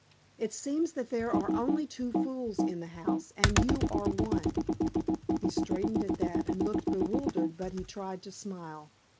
It seems that there are only two fools in the house, and you are one." He straightened at that and looked bewildered, but he tried to smile.